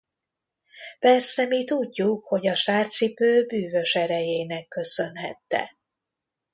Persze mi tudjuk, hogy a sárcipő bűvös erejének köszönhette.